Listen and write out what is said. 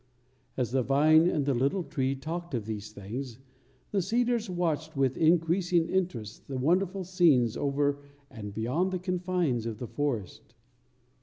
As the vine and the little tree talked of these things, the cedars watched with increasing interest the wonderful scenes over and beyond the confines of the forest.